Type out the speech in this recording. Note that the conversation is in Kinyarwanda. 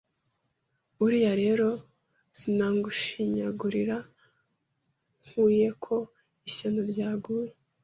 uriya rero sina ngushinyaguriye nkuwiye ko ishyano ryaguye